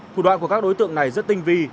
thủ đoạn của các đối tượng này rất tinh vi